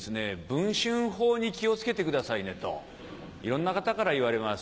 「文春砲に気を付けてくださいね」といろんな方から言われます。